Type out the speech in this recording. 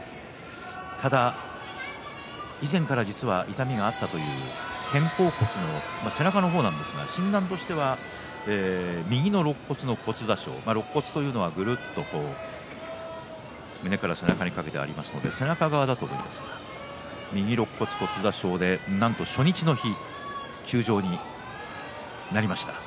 ただ以前から実は痛みがあったという肩甲骨の背中の方なんですが診断としては右のろっ骨の骨挫傷ろっ骨というのは、ぐるっと胸から背中にかけてありますので背中側だと思いますが右ろっ骨骨挫傷で休場しました。